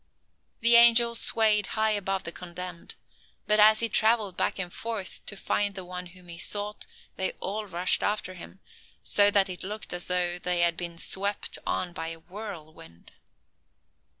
The angel swayed high above the condemned; but as he traveled back and forth, to find the one whom he sought, they all rushed after him, so that it looked as though they had been swept on by a whirlwind.